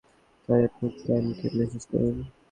তাই আপনি ক্যামকে মেসেজ করুন।